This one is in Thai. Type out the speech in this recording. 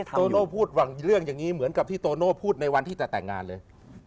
โตโน่พูดหวังเรื่องอย่างนี้เหมือนกับที่โตโน่พูดในวันที่จะแต่งงานเลย